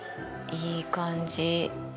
いい感じ。